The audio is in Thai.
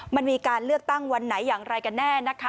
มันมีการเลือกตั้งวันไหนอย่างไรกันแน่นะคะ